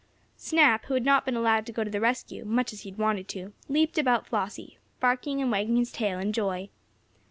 Snap, who had not been allowed to go to the rescue, much as he had wanted to, leaped about Flossie, barking and wagging his tail in joy.